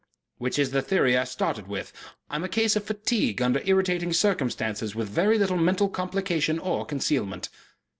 "Which is the theory I started with. I am a case of fatigue under irritating circumstances with very little mental complication or concealment."